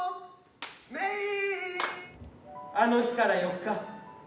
あの日から４日。